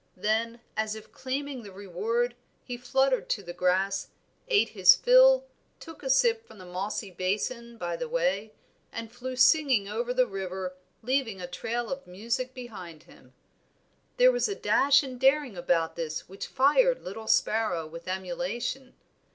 Then, as if claiming the reward, he fluttered to the grass, ate his fill, took a sip from the mossy basin by the way, and flew singing over the river, leaving a trail of music behind him. There was a dash and daring about this which fired little sparrow with emulation.